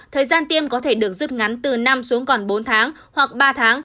thời gian tiêm có thể được rút ngắn từ năm xuống còn bốn tháng hoặc ba tháng